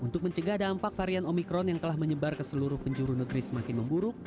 untuk mencegah dampak varian omikron yang telah menyebar ke seluruh penjuru negeri semakin memburuk